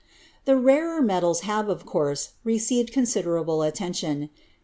The rarer metals have, of course, received considerable attention.